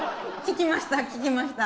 聞きました